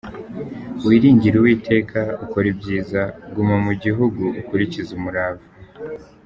Wiringire Uwiteka ukore ibyiza, Guma mu gihugu ukurikize umurava.